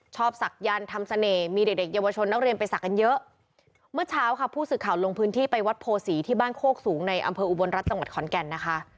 ชอบศักดิ์ยันต์ทำเสน่ห์มีเด็กเยาวชนนักเรียนไปศักดิ์กันเยอะ